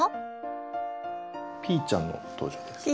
ピーちゃんの登場です。